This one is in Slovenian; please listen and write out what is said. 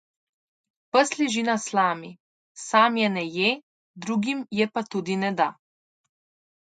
Pes leži na slami; sam je ne je, drugim je pa tudi ne da.